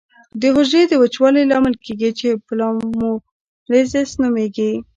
د حجرې د وچوالي لامل کیږي چې پلازمولیزس نومېږي.